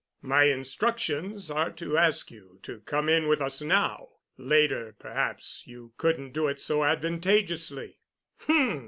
My instructions are to ask you to come in with us now. Later perhaps you couldn't do it so advantageously." "H—m!